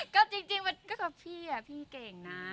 ก็จริงมันก็กับพี่พี่เก่งนะ